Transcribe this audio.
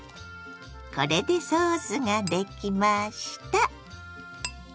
これでソースができました。